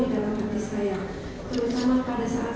dalam hati saya terutama pada saat